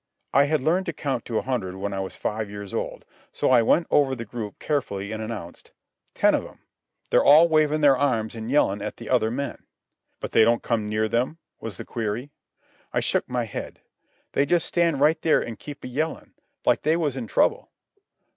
I had learned to count to a hundred when I was five years old, so I went over the group carefully and announced: "Ten of 'em. They're all wavin' their arms an' yellin' at the other men." "But they don't come near them?" was the query. I shook my head. "They just stand right there an' keep a yellin' like they was in trouble."